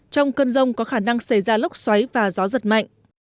trong cơn rông có khả năng xảy ra lốc xoáy và gió giật mạnh